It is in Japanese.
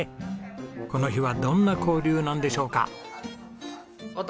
この日はどんな交流なんでしょうか？